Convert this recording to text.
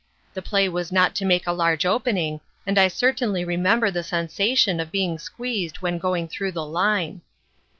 The play was not to make a large opening, and I certainly remember the sensation of being squeezed when going through the line.